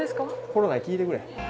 コロナに聞いてくれ。